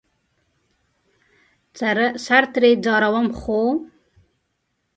سر ترې ځاروم ،خو